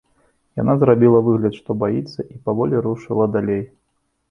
Яна зрабіла выгляд, што баіцца, і паволі рушыла далей.